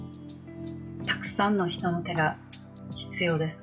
たくさんの人の手が必要です。